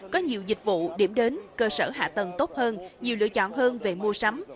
có nhiều dịch vụ điểm đến cơ sở hạ tầng tốt hơn nhiều lựa chọn hơn về mua sắm